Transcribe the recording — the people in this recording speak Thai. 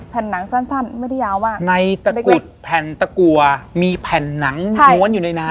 หนังสั้นสั้นไม่ได้ยาวมากในตะกรุดแผ่นตะกัวมีแผ่นหนังม้วนอยู่ในน้ำ